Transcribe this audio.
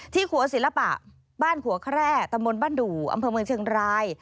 ขัวศิลปะบ้านผัวแคร่ตำบลบ้านดู่อำเภอเมืองเชียงราย